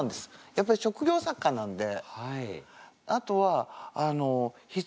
やっぱり職業作家なんで。